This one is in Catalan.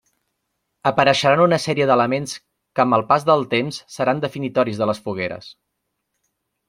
Apareixeran una sèrie d'elements que amb el pas del temps seran definitoris de les Fogueres.